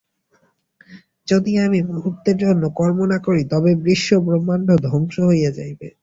যদি আমি মুহূর্তের জন্য কর্ম না করি, তবে বিশ্বব্রহ্মাণ্ড ধ্বংস হইয়া যাইবে।